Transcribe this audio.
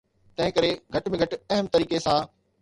تنهن ڪري گهٽ ۾ گهٽ اهم طريقي سان.